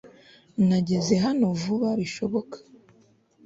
nageze hano vuba bishoboka